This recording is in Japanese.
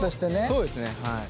そうですねはい。